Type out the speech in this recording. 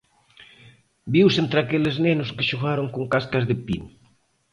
Viuse entre aqueles nenos que xogaron con cascas de pino.